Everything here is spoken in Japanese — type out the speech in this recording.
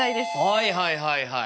はいはいはいはい。